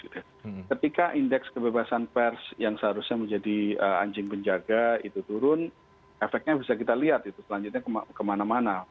ketika indeks kebebasan pers yang seharusnya menjadi anjing penjaga itu turun efeknya bisa kita lihat itu selanjutnya kemana mana